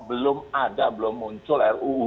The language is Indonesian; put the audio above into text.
belum ada belum muncul ruu